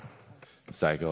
最高！